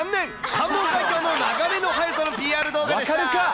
関門海峡の流れの速さのＰＲ動画でした。